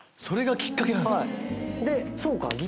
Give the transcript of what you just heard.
それがきっかけなんですか。